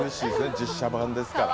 実写版ですから。